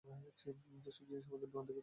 যেসব জিনিস আমাদের মধ্যে ঘটেছিল।